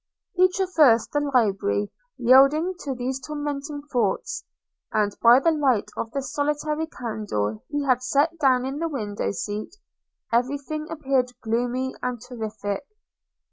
He traversed the library, yielding to these tormenting thoughts; and, by the light of the solitary candle he had set down in the window seat, every thing appeared gloomy and terrific.